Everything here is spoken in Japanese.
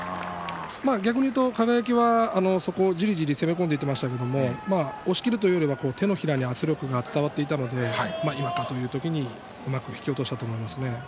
逆に言いますと輝はそこをじりじりと攻め込んでいきましたけど押しきるというよりは手のひらに圧力が伝わっていましたので寄った時にうまく突き落としたと思います。